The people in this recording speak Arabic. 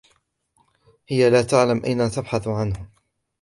هي لا تعلم أين تبحث عنه.